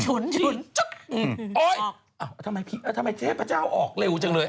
โอ๊ยทำไมเจ๊พเจ้าออกเร็วจังเลย